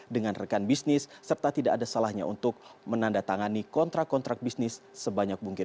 dengan rekan bisnis serta tidak ada salahnya untuk menandatangani kontrak kontrak bisnis sebanyak mungkin